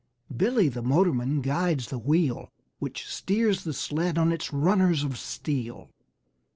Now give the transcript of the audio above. Billy, the motorman, guides the wheel Which steers the sled on its runners of steel.